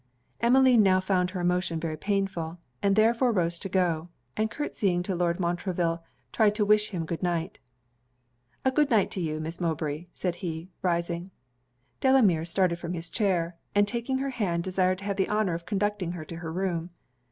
Emmeline now found her emotion very painful; she therefore rose to go, and curtseying to Lord Montreville, tried to wish him good night. 'A good night to you, Miss Mowbray,' said he, rising. Delamere started from his chair; and taking her hand, desired to have the honor of conducting her to her room.